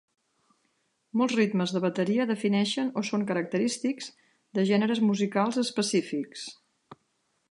Molts ritmes de bateria defineixen o són característics de gèneres musicals específics.